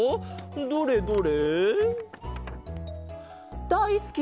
どれどれ？